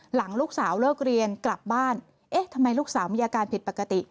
หลังลูกสาวเลิกเรียนกลับบ้านเอ๊ะทำไมลูกสาวมีอาการผิดปกติ